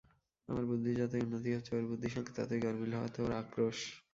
আমার বুদ্ধির যতই উন্নতি হচ্ছে, ওঁর বুদ্ধির সঙ্গে ততই গরমিল হওয়াতে ওঁর আক্রোশ।